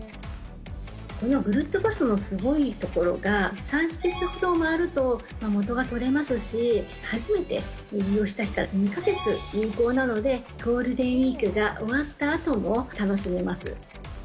このぐるっとパスのすごいところが、３施設ほど回ると元が取れますし、初めて利用した日から２か月有効なので、ゴールデンウィークが終わったあとも楽しめます。